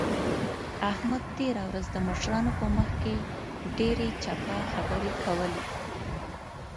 احمد تېره ورځ د مشرانو په مخ کې ډېرې چپه خبرې کولې.